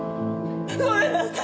ごめんなさい！